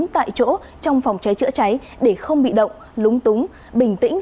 bốn tại chỗ trong phòng cháy chữa cháy để không bị động lúng túng bình tĩnh